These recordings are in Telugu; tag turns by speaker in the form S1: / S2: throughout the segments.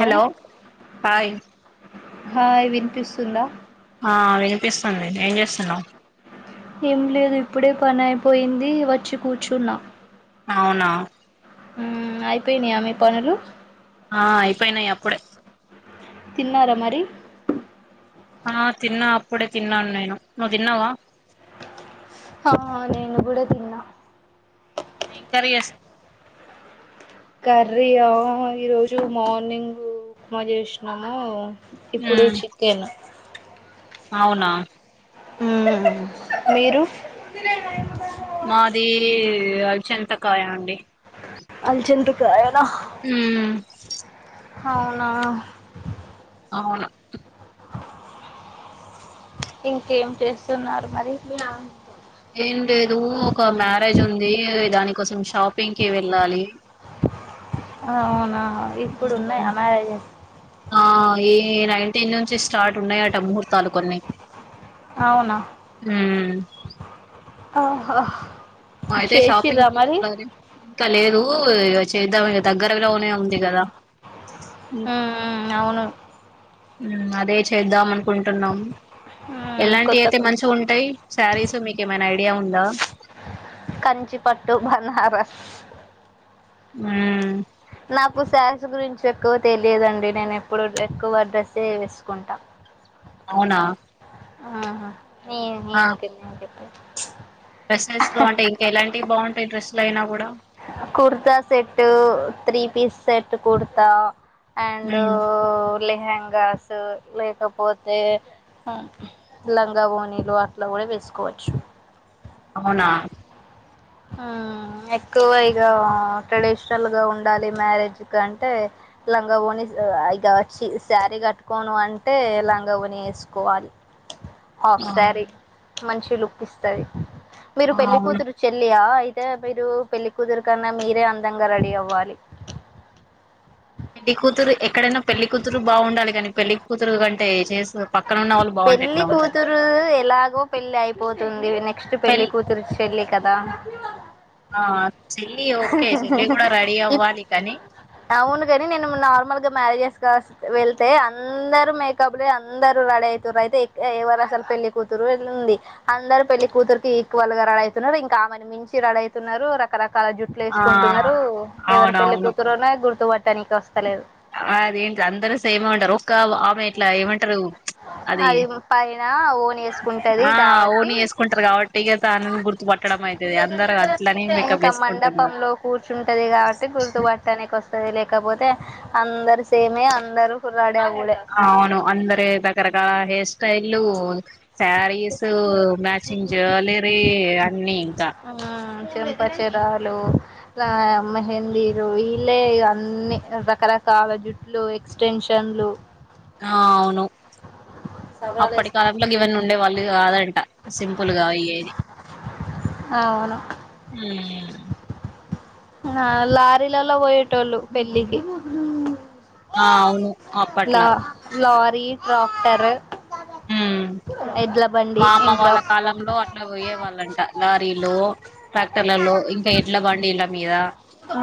S1: హలో హాయ్
S2: ఆ వినిపిస్తుందా
S1: ఆ వినిపిస్తుందిం ఏం చేస్తున్నావ్?
S2: ఏం లేదు ఇప్పుడే పని అయిపోయింది వచ్చి కూర్చున్నా.
S1: అవునా?
S2: ఉమ్ అయిపోయినాయా మీ పనులు
S1: ఆ అయిపోయినాయి అప్పుడే
S2: తిన్నార మరి
S1: ఆ తిన్నా అప్పుడే తిన్నాను నేను నువ్వు తిన్నావా?
S2: హా నేను గూడా తిన్నా.
S1: ఏం కర్రీ చేస్
S2: కర్రీ యా ఈ రోజు మార్నింగ్ ఉప్మా చేసినాము. ఇప్పుడు
S1: ఉమ్
S2: చికెన్
S1: అవునా?
S2: ఉమ్ మీరు?
S1: మాది అల్చింతకాయ అండి.
S2: అల్చెందుకాయ
S1: ఉమ్
S2: అవునా?
S1: అవును.
S2: ఇంకేం చేస్తున్నారు మరి?
S1: ఏం లేదు ఒక మ్యారేజ్ ఉంది అది దాని కోసం షాపింగ్కి వెళ్ళాలి.
S2: ఆ అవునా? ఇప్పుడు ఉన్నాయా
S1: ఉమ్
S2: మ్యారేజెస్
S1: ఆ ఈ నైన్ టెన్ నుంచి స్టార్ట్ ఉన్నాయట ముహూర్ తాలుకున్నయ్
S2: అవునా
S1: ఉమ్
S2: ఆహా!
S1: మా అయితే
S2: చేసిర్రా
S1: షాపింగ్కి
S2: మరి
S1: వెళ్లాలి ఇంకా లేదు ఇ చేద్దాం దగ్గరలోనే ఉం కదా?
S2: ఉమ్ ఉమ్ అవును.
S1: ఉమ్ అదే చేద్దాం అనుకుంటున్నాం. ఎలాంటివి అయితే
S2: కొత్తకు
S1: మంచి ఉంటాయ్? శారీస్ మీకేమైనా ఐడియా ఉందా?
S2: కంచి పట్టు బనా
S1: ఉమ్
S2: నాకు శారిస్ గురించి ఎక్కువ తెలియదండి, నేను ఎప్పుడు ఎక్కువ డ్రస్సే వేసుకుంటా.
S1: అవునా?
S2: ఆహ! నీ
S1: ఆ
S2: నీవు [unintelligible]
S1: డ్రెస్సెస్ లో అంటే ఇంకా ఎలాంటివి బాగుంటాయి డ్రస్సులు అయినా కూడా
S2: kurta set, three piece set kurta and
S1: hmm
S2: lehengas లేకపోతే హా. లంగా ఒనీలు అట్లా కూడా వేసుకోవచ్చు.
S1: అవునా?
S2: ఉమ్ ఎక్కువ ఇగ ట్రెడిషనల్ గా ఉండాలి మ్యారేజ్ కంటే లంగా ఓణీస్ ఇగ చ్చీ వచ్చి శారీ కట్టుకోను అంటే లంగా ఒనీ వేసుకోవాలి. హాఫ్
S1: ఆ
S2: సారీ మంచి లుక్ ఇస్తాది. మీరు
S1: ఆ
S2: పెళ్ళి
S1: అవును
S2: కూతురు పెళ్లియా అయితే మీరు పెళ్లికూతురు కన్నా మీరే అందంగా రెడీ అవ్వాలి.
S1: పెళ్లి కూతురు ఎక్కడైనా పెళ్లి కూతురు బాగుండాలి కానీ పెళ్లి కూతురు కంటే చేస్సు
S2: పెళ్లి కూతురు ఎలాగో పెళ్లి అయిపోతుంది నెక్స్ట్
S1: పెళ్
S2: పెళ్లి కూతురు పెళ్ళి కదా
S1: ఆ చెల్లి ఓకే చెల్లి కూడా రెడీ అవ్వాలి కాని
S2: కానీ నేను నార్మల్ గా మ్యారేజెస్ వెళ్తే అందరు మేకప్ లే అందరు రెడీ ఐతుర్రు అయితే ఎవరు అసలు పెళ్లి కూతురు ఎల్లుంది అందరు పెళ్లి కూతురుకి ఈక్వల్ గా రెడీ అయితున్నరు ఇంక ఆమెను మించి రెడీ అయితున్నారు రకరక కలా జుట్లు
S1: ఆ
S2: వేసుకుంటున్నారు ఎవరు పెళ్ళి
S1: అవునవును
S2: కూతురనో గుర్తు పట్టనికి వస్తలేదు
S1: అదేంటి అందరు సేమేమంటారు ఒక్క ఆమె ఇట్లా ఏమంటారు
S2: అది పైన ఓన్ వేసుకుంటది
S1: ఆ ఓన్
S2: కాబట్టి
S1: వేసుకుంటారు కాబట్టి ఇక తనని గుర్తుపట్టడం అయితది అందరు అట్లనే మేకప్
S2: ఇంకా
S1: వేసుకుంటున్నారు
S2: మండపంలో కూర్చుంటది కాబట్టి గుర్తు పట్టనికి వస్తది లేక కపోతే అందరు సేమే అందరు కుర్రా
S1: అవును అందరు రకరకాల హెయిర్ స్టైల్లు స్యారీసు మ్యాచింగ్ జ్యువెలరి అన్
S2: ఆ చెంపచెరాలు మెహందీరు ఇల్లే అన్ని రకరకాల ల జుట్లు ఎక్స్టెన్షన్లు
S1: ఆ అవును
S2: సవరాలు
S1: అప్పటి
S2: వేసుకుంటారు.
S1: కాలంలో గివ్వన్నీ ఉండేవాళ్ళు కాదంట సింపుల్గా ఇయ్యేది
S2: అవును
S1: ఉమ్
S2: ఆ లారీలల్లో పోయేటోల్లు పెళ్ళికి
S1: ఆ అవును
S2: ల
S1: అప్పట్లా
S2: లారీ ట్రాక్టర్ ఎడ్ల బండి
S1: మా అమ్మ
S2: ఇంకా
S1: వాళ్ళ కాలంలో అ ఇట్ల పోయే వాళ్ళంట లారీలో ట్రాక్టర్లలో ఇంకా ఎడ్ల బండిల మీద
S2: ఉ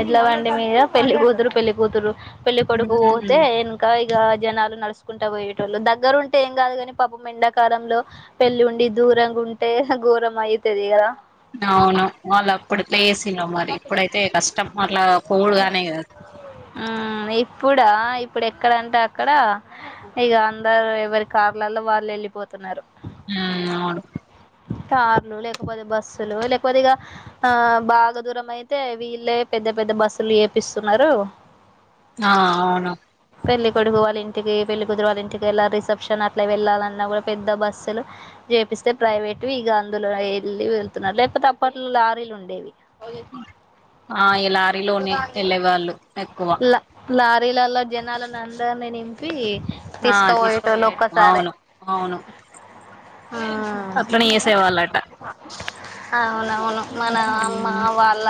S2: ఎడ్లబండి మీద పెళ్లి కూతురు పెళ్లికతురు పెళ్లి కొడుకు
S1: మ్మ్
S2: పోతే ఎనకయ్ జనాలు నడుచకుంటా పోయేటోళ్ళు దగ్గర ఉంటే ఏం కాదు కాని పాపం ఎండాకాలంలో పెళ్లి ఉండి దు దురంగుంటే ఘోరం అయితది కదా
S1: అవును వాళ్ళు అప్పుడు పేసిల్లో మరి ఇప్పుడైతే కష్టం అట్లా పోవుడుగాని
S2: మ్మ్ ఇప్పుడా ఇప్పుడు ఎక్కడంటే అక్కడ
S1: ఆ
S2: ఇగ అందరు ఎవరి కార్లలో వాళ్ళు వెళ్ళిపోతున్నారు
S1: ఉ అవును
S2: కార్లు లేకపోతే బస్సులు లేకపోతే ఇగ ఆ బాగా దూరం అయి తే వీళ్ళే పెద్ద పెద్ద బస్సులు చేపిస్తున్నారు
S1: ఆ అవును
S2: పెళ్లి కొడుకు వాళ్ళ ఇంటికి పెళ్లి కూతురు వాళ్ళ ఇంటికి వెళ్ళ రిసెప్షన్ అట్లా వెళ్ళాలన్నా కూడా పెద్ద బస్సులు చేపిస్తే ప్రైవేటు ఇగ అందులో వెళ్ళి వెళ్తున్నారు లేకపోతే అప్పట్లో లారీలు ఉండేవి
S1: ఆ ఈ లారీలోనే వెళ్ళేవాళ్ళు ఎక్కువ
S2: రీలల్లో జనాలను అందరినీ నింపి
S1: ఆ తీసుకు
S2: తీసుకపోయేటోళ్ళు
S1: పోయె
S2: ఒక్కసారే
S1: అవును అవును
S2: మ్మ్
S1: అట్లనే చేసేవాళ్లంట
S2: అవునవును మన అమ్మ వాళ్ళ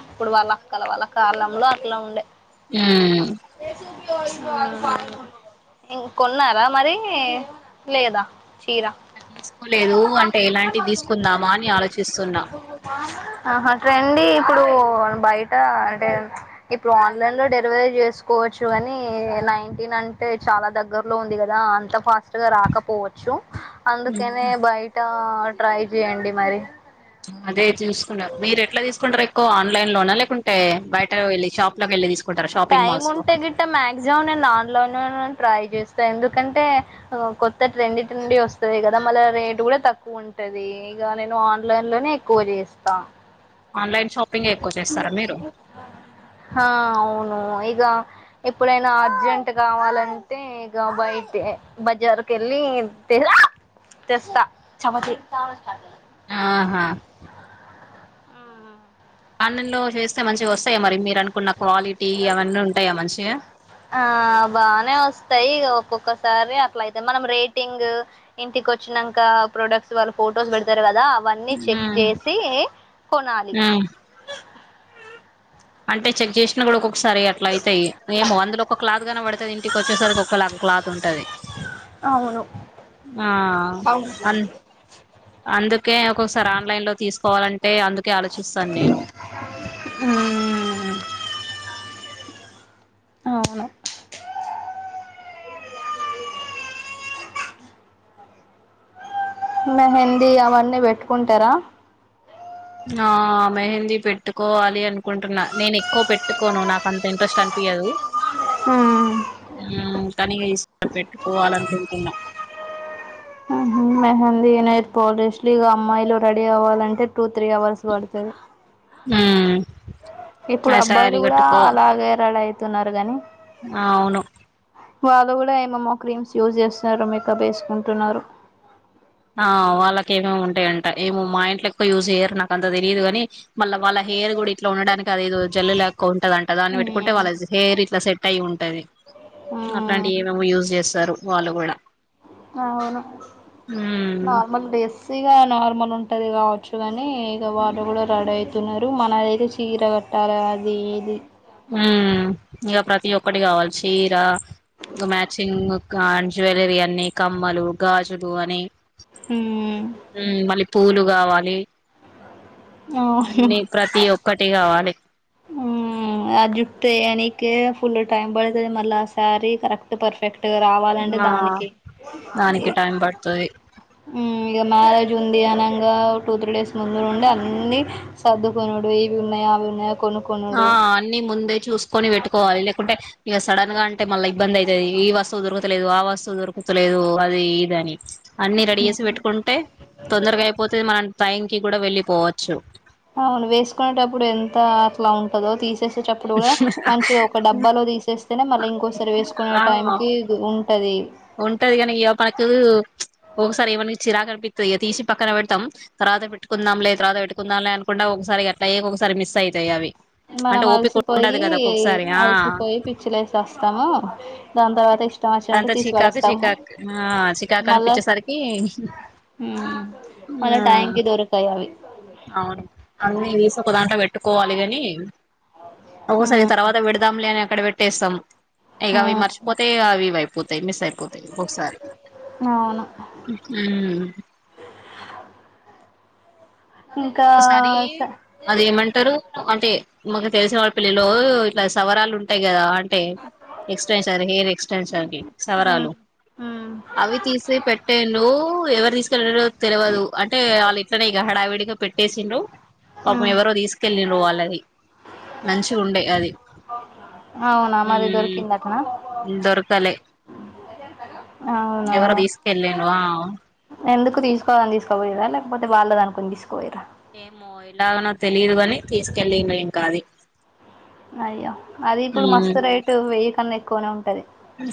S2: అప్పుడు వాళ్ళ అక్కల వాళ్ళ కాలంలో అట్లా ఉండే
S1: ఊ
S2: ఏ చూపి ఇంకున్నారా మరి లేదా చీర
S1: ఇంకా తీసుకోలేదు అంటే ఎలాంటివి తీసుకుందామా అని ఆలోచిస్తున్నా
S2: ర్రండి ఇప్పుడు బయట అంటే ఇప్పుడు ఆన్లైన్లో డెలివరీ చేస్ కోవచ్చు కానీ నైన్టీన్ అంటే చాలా దగ్గరలో ఉంది కదా అంత ఫాస్ట్గా రాకపోవచ్చు
S1: మ్మ్
S2: అందుకేనే బయట ట్రై చెయండి మరి
S1: అదే చూసుకున్నారు మీరు ఎట్లా తీసుకుంటారు ఎక్కువ ఆన్లైన్ లోనా లేకుం టే బయట వెళ్ళి షాప్ లకేళ్ళి తీసుకుంటార షాపింగ్
S2: టైం
S1: మాల్స్ లో
S2: ఉంటే గిట్ట మాక్సిమం నేను ఆన్లైన్ ట్రై చేస్తా ఎందుకంటే కొత్త ట్రెండిటి నుండి వస్తది కదా మళ్ళ రేటు కూడా తక్కువ ఉం టది ఇగ నేను ఆన్లైన్ లోనే ఎక్కువ చేస్తా
S1: ఆన్లైన్ షాప్
S2: హా అవును ఇగ ఎప్పుడైనా అర్జెంట్ కావాలంటే ఇగ బయట బజార్ కేళ్ళి తె తెస్తా చమతి
S1: ఆహా అన్నం లో చేస్తే మంచిగా వస్తాయ మరి మీరు అనుకున్న క్వాలిటీ అవన్నీ ఉంటాయా మంచిగా
S2: ఆ బానే వస్తాయి ఇగ ఒక్కొక్క సరే అట్లా అయితయి మనం రేటింగ్ ఇంటికోచ్చినంక ప్రొడక్ట్స్ వాళ్ళు ఫొటోస్ పెడుతారు క దా అవన్నీ చెక్
S1: ఉమ్
S2: చేసి కొనాలి
S1: ఉమ్. అంటే చెక్ చేేషిన కుడా ఒకో సరే అట్ల అయితయి ఏమో అందులో ఒక క్లాత్ గానపడుతది ఇంటికోచ్చేసరికి ఒక లాగా క్లాత్ ఉంటది
S2: అ
S1: ఆ అన్ అంద్ కే ఒక్కొక్కసారి ఆన్లైన్ లో తీసుకోవాలంటే అందుకే ఆలోచిస్తాను నేను
S2: మ్మ్ అవును మెహందీ అవన్నీ పెట్టుకుంటారా
S1: ఆ మెహందీ పెట్టుకోవాలి అనుకుంటున్నా నేను ఎక్కువ పెట్టుకోను నాక్ అంత ఇంట్రెస్ట్ అన్ పియ్యదు
S2: మ్మ్
S1: ఆ కాని ఇగ ఈ సారి పెట్టుకోవాలనుకుంటున్నా
S2: మెహందీ నైర్ పోలీస్లు ఇగ అమ్మాయిలు రెడీ అవ్వాలంటే టూ త్రీ అవర్స్ పడుతది
S1: మ్మ్
S2: ఇప్పుడు
S1: ఆ
S2: అబ్బాయిలు
S1: శారీ
S2: కూడా
S1: కట్టుకో
S2: అలాగే రడి అయితున్నారు గాని
S1: అవును
S2: వాళ్ళు కూడా ఏమేమో క్రీమ్స్ యూజ్ చేస్తున్నారు మేకప్ వేసుకుంటున్నారు
S1: ఆ వాళ్ళకేమే ఉంటాయంట ఏమో మా ఇంట్లో ఎక్కువ యూజ్ చేయ్యరు నాకు అంత తెలియదు కాని మళ్ళీ వాళ్ళ హెయిర్ కూడా ఇట్లా ఉండడానికి అదిేదో జల్లు లేక్కువ ఉంటదంట దాన్ని పెట్టుకుంటే వాళ్ళ హెయిర్ ఇట్లా సేట్ అయి ఉంటది అట్లాంటివి ఏమేమో యూజ్ చేస్తారు వాళ్ళు కూడా
S2: అవును
S1: మ్మ్
S2: నార్మల్ డ్రెస్సీగా నార్మల్ ఉంటది కావచ్చు కాని ఇగ వాళ్ళు కూడా రడి అవుతున్నారు మనదైతే చీర కట్టాలి అది ఇది
S1: మ్ ఇగ ప్రతి ఒక్కటి కావాలి చీర ఇగ క మ్యాచింగ్ గ జ్యువెలరీ అన్ని కమ్మలు గాజులు అని మ్ మళ్ళీ పూలు కావాలి
S2: అవును
S1: అన్నిీ ప్రతి ఒక్కటి కావాలి
S2: మ్ ఆ జుట్టు వేయనికే ఫుల్ టైమ్ పడుతది మళ్ళ సారీ కరెక్ట్ పర్ఫెక్ట్ టు రావాలంటే
S1: ఆ
S2: దానికి ఇ
S1: దానికి టైం పడుతది
S2: ఉమ్ ఇగ మ్యారేజ్ ట ఉంది అనంగా టూ త్రీ డేస్ ముందునుండే అన్ని సర్దుకునుడు ఇవి ఉన్నయ అవి ఉన్నయ
S1: ఆ అన్ని ముందే చూసుకొని వేట్టుకోవాలి లేకుంటే ఇగ సడన్ గా అంటే మళ్ళా ఇబ్బంది అయ్ తది ఈ వస్తువు దొరకతలేదు ఆ వస్తువు దొరకతలేదు అది ఈదని అన్ని రెడీ ఏసి పెట్టుకుంటే తొందరగా అయిపోతే మనన్ టైకి కూడా వెళ్ళిపోవచ్చు
S2: ఔను వేసుకునేటప్పుడు ఎంత అట్లా ఉంటదో తీస్ తేసేచప్పుడు కూడా మంచిగా ఒక డబ్బాలో తీసేస్తేనే మళ్ళ ఇంకోసరి వేసుకునే
S1: ఆ
S2: టైంకి గు ఉంటది
S1: ఉంటది గనీ ఇగ పత్తు చ్ ఓసారి ఏమన్ చిరాక్ అన్ పిస్తది ఇక తీసి పక్కన పెడాతమ్ తరాత వెట్టుకుందమ్ లే తరువత వేట్టుకుందామ్ లే అనుకుండా ఒక్ సారి అట్లాయ్ ఒక్ సారి మిస్ అయ్ తయి అవి అంటే
S2: మనం అల్
S1: ఓపిక
S2: సిపోయి
S1: ఉండదు కదా ఒక్కొక్కసారి ఆ
S2: అల్ సిపోయి పిచ్చిలేస్ వోస్తాము దాన్ తరవాత ఇష్టం వచ్చినట్టు
S1: అదంతా
S2: తీస్
S1: చికాకు
S2: పడేస్తాము
S1: చికాకు ఆ చికాకు
S2: మళ్ళా
S1: అనిపించేసరికి
S2: ఉమ్ మళ్ళా టైమ్ కి దొరకయ్ అవి
S1: ఔను అన్నీ దీస్ ఒకదాట్ల వేట్టుకోవాలి గని ఓసారి
S2: మ్మ్
S1: తర్వాత విడదాంలే అని అక్కడ పెట్టేస్తాం ఇక అవి
S2: మ్మ్
S1: మర్చిపోతే అవి వైప్ పోతయ్ మిస్ అయిపోతయ్ ఒక్ సారి
S2: అవును
S1: ఊహుమ్
S2: ఇంకా
S1: ఒక్ సారి
S2: స
S1: అది ఏమంటరు అంటే మకు తెలేసే వాళ్ళ పిల్లలు ఇట్లా సవరాలు ఉంటాయి కదా అట్ టే ఎక్స్ స్ట్రెంషారు హెయిర్ ఎక్స్ స్టన్షన్ కి
S2: మ్మ్
S1: సవరాలు
S2: మ్మ్
S1: అవి తీసే పెట్టా లో ఎవర్ తీస్ కెళ్ళరో తెలవాదు అంటే అళ్ళు ఇట్లనే ఇగ హడావిడిగా ఏ సిండ్రు పాపం
S2: మ్మ్
S1: ఎవరో దిసూకెళ్ళిరు వాళ్ళది మంచు ఉండే అది
S2: ఔనా మరి
S1: ఉమ్
S2: దొరుకిన్ అటనా
S1: దొరకలే
S2: ఔనా
S1: ఎవరో తీసుకెళ్ళిండ్రు ఆ
S2: ఎందుకు తీస్ కోవన్ తీస్ కపోయేదా ల్యాప్ పోతే వాళ్ళ అన్ కొని దిస్కవోయ్ ర
S1: ఏమో ఎలాగనో తెలిదువని తీసుకెళ్లిరు ఇంక అది
S2: అయ్యో అది ఇప్పుడు
S1: ఉమ్
S2: మస్తు రేటు వెయ్య కన్నా ఎక్కువనే ఉంటది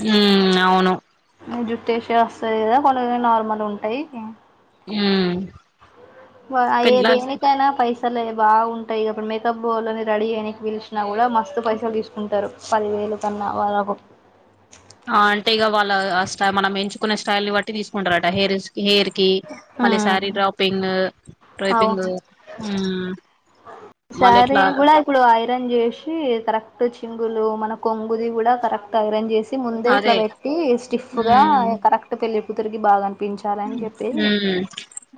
S1: ఉమ్ అవును
S2: జుట్టేష ఓస్తది కదా కొనిన్ నార్మల్ ఉంటయ్ ఉమ్
S1: ఉమ్
S2: వ అయ్
S1: పెళ్ళాలు
S2: దేనికైనా పైస్ సలే బాఉంటాయ్ అపుడు మేకబ్బు యోలని రడీ యేయనికి పిల్ చినా గుడా మస్తు పైసలు దీసుకుంటరు పదివేలు కన్నా వరకు
S1: ఆ అంటే ఇక వాళ్ళ అ ఆస్ట మనం ఎంచుకునే స్టైల్ న్ బట్టి తీసుకుంటరట హెరీస్ హేయ్ రీ కీ మళ్ళీ శారీ డ్రాపింగు టైపింగు హుమ్ అ
S2: సారీ కూడా ఇప్పుడు ఐరన్ జేసి కరక్ట్ చింగులు మత్ నా కొంగుది కూడా కరక్ట్ ఐరన్ జేసి ముందే ఇట్లా
S1: అదే
S2: పెట్టి స్టిఫ్ గా కరక్ట్ పెళ్లి తరికి బాగన్
S1: ఉమ్మ్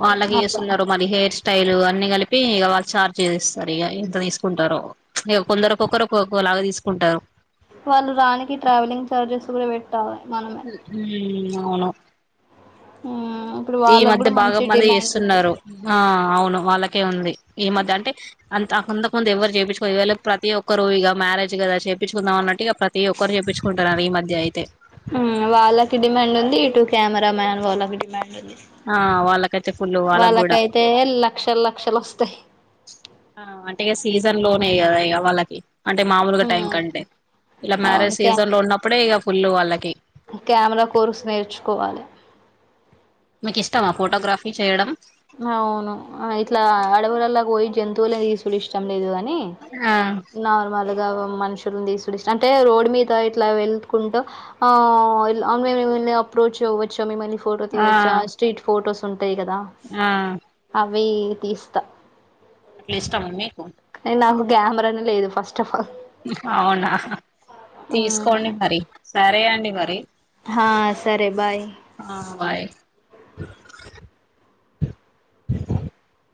S1: వాళ్ళకీ
S2: అట్లా
S1: ఏసున్నరు మరి హెయిర్ స్టైల్ ఆ అన్ని కలిపి ఇక వాళ్ళు చార్జ్ చేస్తరిగా ఇంత తీసుకుంటరు ఇక కొందరు ఒకొక్కరు ఒక్కొక్కలా తీసుకు కుంటారు
S2: వాళ్ళు రానికి ట్రావెలింగ్ చార్జెస్ కూడా వేట్
S1: ఉమ్ ఔను
S2: ఉమ్మ్మ్
S1: ఈ మధ్య బాగా మంది ఎస్సున్నరు ఆ ఔను వాళ్ళకే ఉంది ఈ మధ్య అంటే అన్ త వొందక్ వొంది ఎవరు జెపిచుకోలే ఇవేళ ప్రతి ఒక్కరు ఇగా మ్యారేజ్ కదా చేపిచుకుందం అన్నట్టు ఇగ ప్రతి ఒక్కరు చెప్పించుకుంటునరు ఈ మధ్య అయితే
S2: మ్మ్ వాళ్ళకి డిమాండ్ ఉంది ఇటు కెమెరా మ్యాన్ వోలక్ డిమాండ్
S1: ఆ వాళ్ళకైతే ఫుల్ వాళ్ళకి కూడా
S2: వాళ్ళకైతే లక్షల్ లక్షలు వస్తాయి.
S1: ఆ అంటె ఇగ సీజన్ లో మే కదా ఇక వాళ్ళకి అంటే మామూలుగా టైం
S2: మ్మ్
S1: కంటే. ఇలా
S2: అవును
S1: మ్యారేజ్
S2: క్యా
S1: సీజన్ లో ఉన్నప్పుడే ఇగ ఫుల్లు వాళ్ళకి
S2: కెమెరా కోర్సు నేర్చుకోవాలి.
S1: మీకిష్టమా ఫోటోగ్రఫీ చేయడం?
S2: జంతువులే తీసులు ఇష్టం లేదు కానీ,
S1: ఆ
S2: నార్మల్ మనుషుల్ ను తీసుడ్ ఇష్ అంటే, రోడ్ మీద ఇట్లా వెళ్తుకుంటూ, ఆ వెళ్ళి అప్రోచ్ అవ్వచ్చ మిమల్ని ఫోటో
S1: ఆ
S2: తీయొచ్చా స్ట్రీట్ ఫోటోస్ ఉంటాయి కదా!
S1: ఆ
S2: అవి తీస్తా.
S1: అట్లా ఇష్టం అన్ని
S2: యా నాకు క్యామెరానే లేదు ఫస్ట్. ఆఫ్ ఆల్
S1: అవునా తీసుకోండి మరి. సరే అండి మరి.
S2: హా సరే బాయ్.
S1: ఆ బాయ్ [inaudible] [inaudible]